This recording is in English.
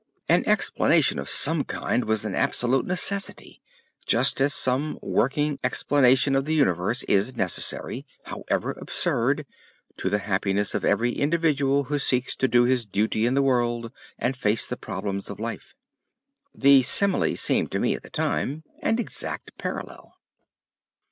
An explanation of some kind was an absolute necessity, just as some working explanation of the universe is necessary—however absurd—to the happiness of every individual who seeks to do his duty in the world and face the problems of life. The simile seemed to me at the time an exact parallel.